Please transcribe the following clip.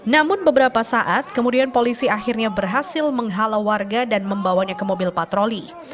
namun beberapa saat kemudian polisi akhirnya berhasil menghalau warga dan membawanya ke mobil patroli